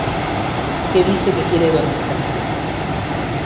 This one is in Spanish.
que dice que quiere dormir conmigo.